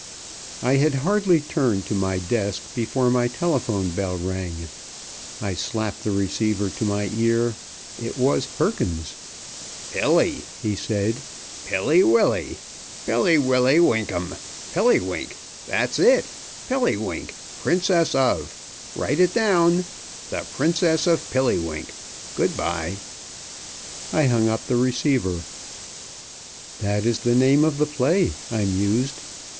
I had hardly turned to my desk before my telephone bell rang. I slapped the receiver to my ear. It was Perkins! "Pilly," he said. "Pilly willy. Pilly willy winkum. Pilliwink! That's it. Pilliwink, Princess of. Write it down. The Princess of Pilliwink. Good by." I hung up the receiver. "That is the name of the play," I mused.